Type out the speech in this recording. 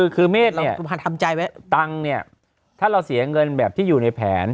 คือเมฆเราทำใจไว้ตังค์เนี่ยถ้าเราเสียเงินแบบที่อยู่ในแผน